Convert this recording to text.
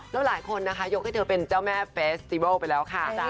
แล้วหลายคนนะคะยกให้เธอเป็นเจ้าแม่เฟสติเวิลไปแล้วค่ะ